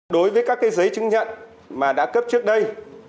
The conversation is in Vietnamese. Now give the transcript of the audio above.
đối với các giấy chứng nhận mà đã cấp trước đây